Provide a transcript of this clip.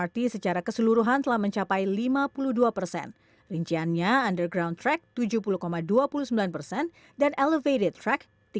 berikut laporannya untuk anda